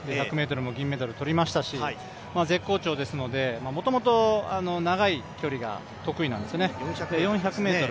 １００ｍも銀メダル取りましたし、絶好調ですので、もともと長い距離が得意なんですね。